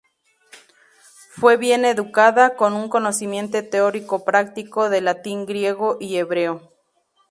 Fue bien educada, con un conocimiento teórico-práctico del latín, griego y hebreo.